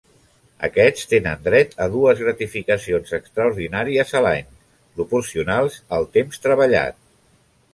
Aquests tenen dret a dues gratificacions extraordinàries a l'any, proporcionals al temps treballat.